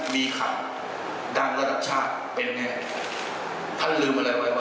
มีข่าวดันระดับชาติเป็นแม่ท่านลืมอะไรไว้วะ